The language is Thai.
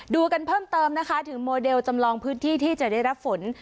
ดูกันเพิ่มเติมนะคะถึงโมเดลจำลองพื้นที่ที่จะได้รับฝน